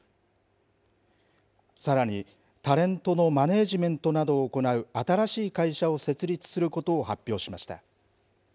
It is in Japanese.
さらに、タレントのマネージメントなどを行う新しい会社を設立することを発表しました。